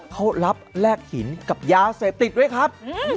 เขารับแลกหินกับยาเสพติดด้วยครับ